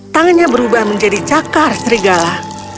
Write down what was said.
tangannya berubah menjadi cakar serigala